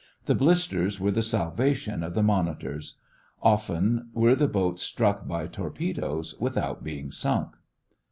The blisters were the salvation of the monitors. Often were the boats struck by torpedoes without being sunk.